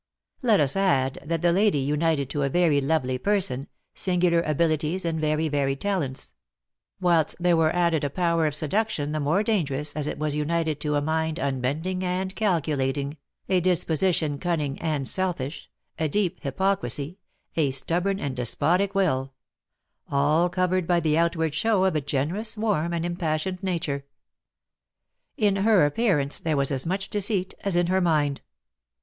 Let us add that the lady united to a very lovely person, singular abilities and very varied talents; whilst there were added a power of seduction the more dangerous as it was united to a mind unbending and calculating, a disposition cunning and selfish, a deep hypocrisy, a stubborn and despotic will, all covered by the outward show of a generous, warm, and impassioned nature. In her appearance, there was as much deceit as in her mind.